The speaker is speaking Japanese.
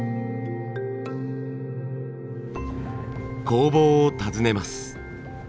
工房を訪ねます。